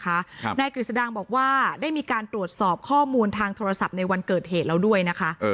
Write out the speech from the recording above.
ครับนายกฤษดังบอกว่าได้มีการตรวจสอบข้อมูลทางโทรศัพท์ในวันเกิดเหตุแล้วด้วยนะคะเออ